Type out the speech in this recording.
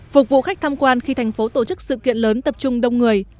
phục vụ khách tham quan khi thành phố tổ chức sự kiện lớn tập trung đông người